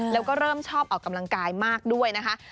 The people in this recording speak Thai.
แล้วก็เริ่มชอบออกกำลังกายมากด้วยนะคะ